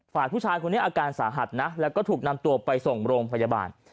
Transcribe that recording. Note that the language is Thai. ฝ่ายผู้ชายคนนี้อาการสาหัสนะแล้วก็ถูกนำตัวไปส่งโรงพยาบาล